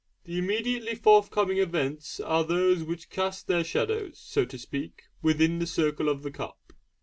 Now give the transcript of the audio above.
The immediately forthcoming events are those which cast their shadows, so to speak, within the circle of the cup.